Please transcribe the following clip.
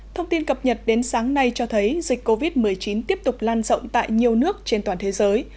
thông tin cập nhật đến sáng nay cho thấy dịch covid một mươi chín tiếp tục lan rộng tại nhiều nước trên toàn thế giới